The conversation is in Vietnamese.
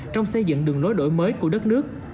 trong xây dựng đường lối đổi mới của đất nước